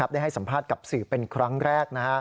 ได้ให้สัมภาษณ์กับสื่อเป็นครั้งแรก